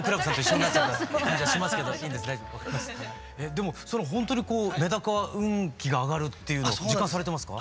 でもほんとにこうメダカ運気が上がるっていうの実感されてますか？